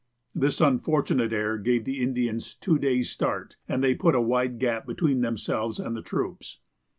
This unfortunate error gave the Indians two days' start, and they put a wide gap between themselves and the troops.